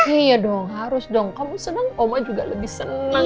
iya dong harus dong kamu senang oma juga lebih senang